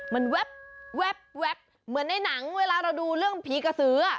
มันแว๊บเหมือนในหนังเวลาเราดูเรื่องผีกระสือ